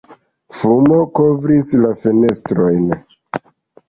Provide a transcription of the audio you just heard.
Fumo kovris la fenestrojn.